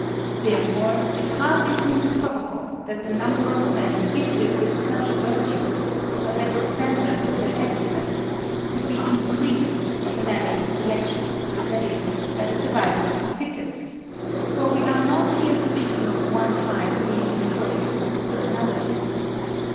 Therefore, it hardly seems probable, that the number of men gifted with such virtues, or that the standard of their excellence, could be increased through natural selection, that is, by the survival of the fittest; for we are not here speaking of one tribe being victorious over another.